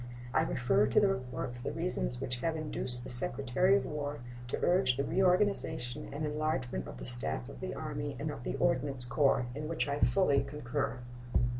I refer to the report for the reasons which have induced the Secretary of War to urge the reorganization and enlargement of the staff of the Army, and of the Ordnance Corps, in which I fully concur.